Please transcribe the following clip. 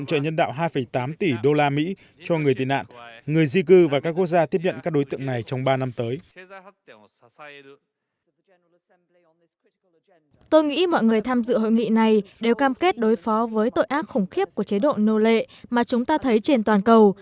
tôi nghĩ mọi người tham dự hội nghị này đều cam kết đối phó với tội ác khủng khiếp của chế độ nô lệ mà chúng ta thấy trên toàn cầu